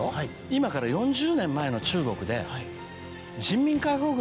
今から４０年前の中国で。